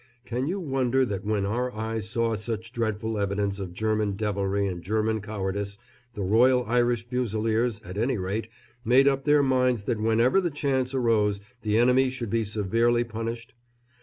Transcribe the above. Can you wonder that when our eyes saw such dreadful evidence of German devilry and German cowardice, the Royal Irish Fusiliers, at any rate, made up their minds that whenever the chance arose the enemy should be severely punished?